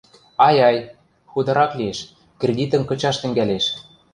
— Ай-ай, хударак лиэш, кредитӹм кычаш тӹнгӓлеш.